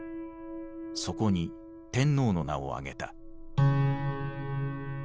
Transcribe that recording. そこに天皇の名を挙げた。